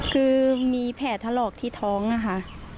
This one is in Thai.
คือมีแผลถลอกที่ท้องนะคะ